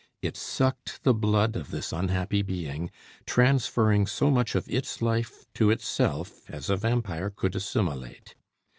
It sucked the blood of this unhappy being, transferring so much of its life to itself as a vampire could assimilate.